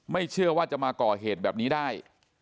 ไม่เชื่อว่าจะมาก่อเหตุแบบนี้ได้